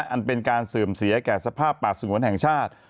อันเป็นการเสื่อมเสียแก่สภาพป่าสงวนแห่งชาติ